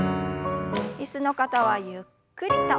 椅子の方はゆっくりと。